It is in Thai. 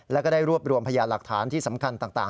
แล้วก็ได้รวบรวมพยานหลักฐานที่สำคัญต่าง